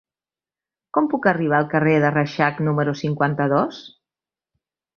Com puc arribar al carrer de Reixac número cinquanta-dos?